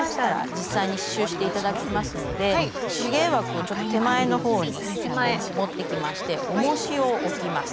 実際に刺しゅうして頂きますので手芸枠をちょっと手前のほうに持ってきましておもしを置きます。